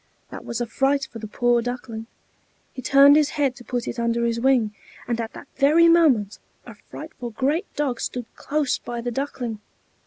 That was a fright for the poor Duckling! He turned his head to put it under his wing; and at that very moment a frightful great dog stood close by the Duckling.